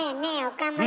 岡村。